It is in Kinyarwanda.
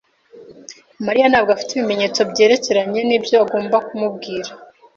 Mariya ntabwo afite ibimenyetso byerekeranye nibyo agomba kumubwira.